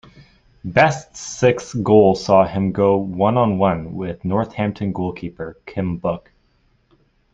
Best's sixth goal saw him go one on one with Northampton goalkeeper Kim Book.